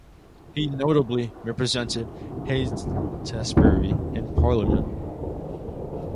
He notably represented Heytesbury in Parliament.